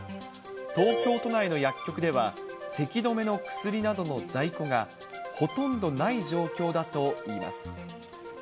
東京都内の薬局では、せき止めの薬などの在庫がほとんどない状況だといいます。